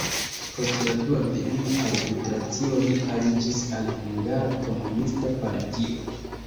Post la Dua Viena Arbitracio li aliĝis al hungara komunista partio.